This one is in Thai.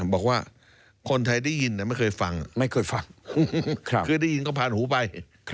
บอกว่าคนไทยได้ยินไม่เคยฟังไม่เคยฟังคือได้ยินก็ผ่านหูไป